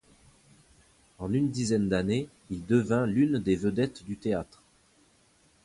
En une dizaine d'années il devient l'une des vedettes du théâtre.